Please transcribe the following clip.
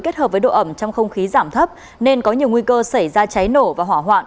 kết hợp với độ ẩm trong không khí giảm thấp nên có nhiều nguy cơ xảy ra cháy nổ và hỏa hoạn